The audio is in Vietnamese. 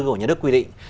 của nhà nước quy định